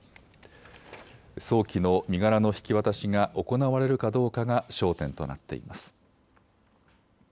早期の身柄の引き渡しが行われるかどうかが焦点となっています。